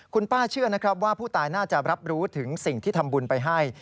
คุณป้าเชื่อนะครับว่าผู้ตายน่าจะรับรู้ถึงสิ่งที่ทำบุญไปให้